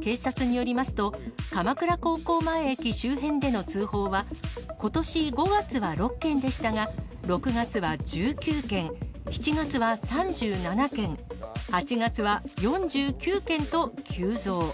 警察によりますと、鎌倉高校前駅周辺での通報は、ことし５月は６件でしたが、６月は１９件、７月は３７件、８月は４９件と急増。